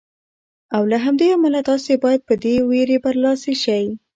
او له همدې امله تاسې باید په دې وېرې برلاسي شئ.